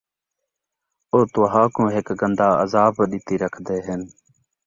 او تہاکوں ہِک گندا عذاب ݙِتی رکھدے ہَن،